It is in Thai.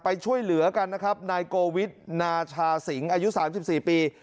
ไปช่วยเหลือกันนะครับนายโกวิทนาชาสิงอายุ๓๔ปี